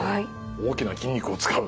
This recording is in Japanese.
大きな筋肉を使う。